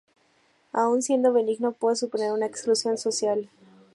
Aún siendo benigno, puede suponer una exclusión social.